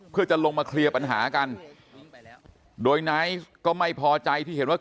เพื่อจะลงมาเคลียร์ปัญหากันโดยไนท์ก็ไม่พอใจที่เห็นว่า